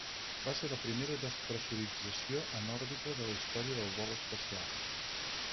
Va ser la primera despressurització en òrbita de la història del vol espacial.